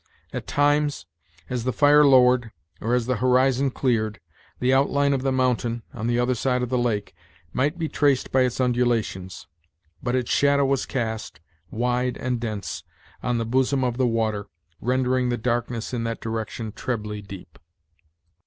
At times, as the fire lowered, or as the horizon cleared, the outline of the mountain, on the other side of the lake, might be traced by its undulations; but its shadow was cast, wide and dense, on the bosom of the water, rendering the darkness in that direction trebly deep.